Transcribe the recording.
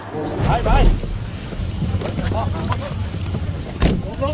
ขอบคุณครับ